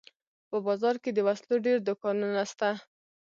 په بازار کښې د وسلو ډېر دوکانونه سته.